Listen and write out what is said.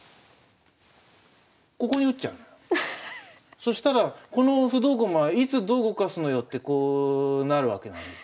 そしたらこの不動駒はいつどう動かすのよってこうなるわけなんです。